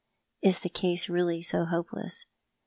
" Is the case really hopeless?